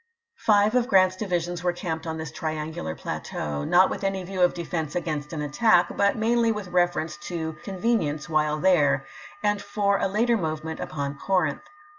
Five of Grant's divisions were camped on this triaDgular plateau, not with any view of defense against an attack, but mainly with reference to convenience while there, and for a later movement upon Corinth.